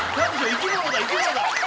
生き物だ生き物だ。